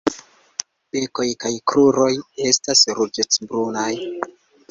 Bekoj kaj kruroj estas ruĝecbrunaj.